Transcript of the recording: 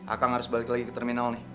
akan harus balik lagi ke terminal nih